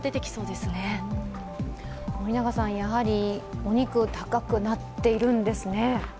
お肉、高くなっているんですね。